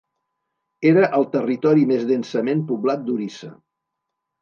Era el territori més densament poblat d'Orissa.